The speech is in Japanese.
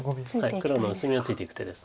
黒の薄みをついていく手です。